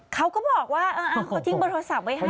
เขาก็บอกว่าเออเขาทิ้งโบราษับไว้ให้